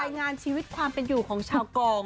งานชีวิตความเป็นอยู่ของชาวกอง